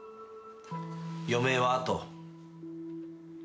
余命はあと。